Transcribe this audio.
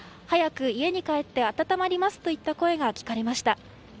早く家に帰って温まりますといった声が聞かれました。